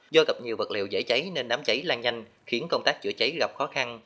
do gặp nhiều vật liệu dễ cháy nên đám cháy lan nhanh khiến công tác chữa cháy gặp khó khăn